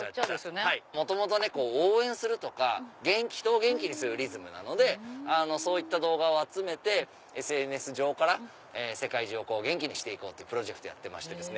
元々応援するとか人を元気にするリズムなのでそういった動画を集めてＳＮＳ上から世界中を元気にして行こうってプロジェクトやってまして。